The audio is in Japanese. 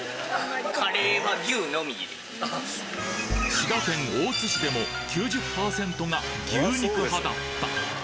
滋賀県大津市でも９０％が牛肉派だった